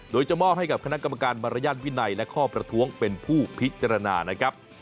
โดยจะมอบให้กับคณะกรรมการมารยาทวินัยและข้อประท้วงเป็นผู้พิจารณานะครับ